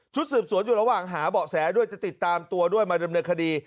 สืบสวนอยู่ระหว่างหาเบาะแสด้วยจะติดตามตัวด้วยมาดำเนินคดี